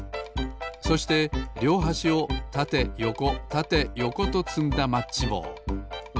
そしてりょうはしをたてよこたてよことつんだマッチぼう。